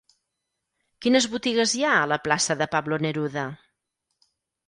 Quines botigues hi ha a la plaça de Pablo Neruda?